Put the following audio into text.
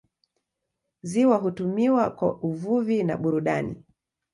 Ziwa hutumiwa kwa uvuvi na burudani.